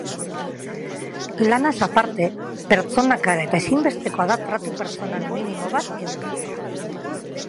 Lanaz aparte, pertsonak gara eta ezinbestekoa da tratu pertsonal minimo bat edukitzea.